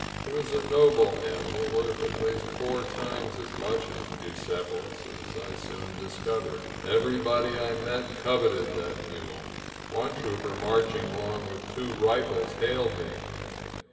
He was a noble animal — worth at least four times as much as Bucephalus, as I soon discovered. Everybo3y I met coveted that mule. One trooper marching along with two rifles hailed me.